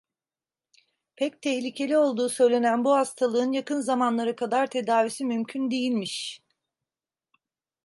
Pek tehlikeli olduğu söylenen bu hastalığın yakın zamanlara kadar tedavisi mümkün değilmiş.